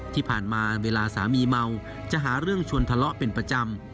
ที่ผ่านมาเวลาสามีเมาจะหาเรื่องชวนทะเลาะเป็นประจำ